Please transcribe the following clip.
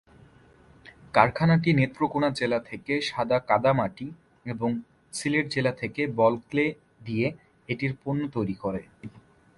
কারখানাটি নেত্রকোণা জেলা থেকে সাদা কাদামাটি এবং সিলেট জেলা থেকে বল ক্লে দিয়ে এটির পণ্য তৈরি করে।